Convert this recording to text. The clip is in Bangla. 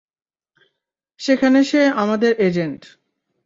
সেখানে সে আমাদের এজেন্ট।